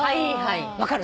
分かる？